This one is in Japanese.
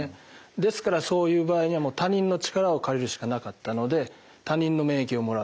ですからそういう場合には他人の力を借りるしかなかったので他人の免疫をもらう。